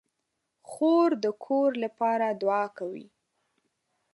خور د کور لپاره دعا کوي.